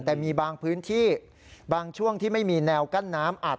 แต่มีบางพื้นที่บางช่วงที่ไม่มีแนวกั้นน้ำอัด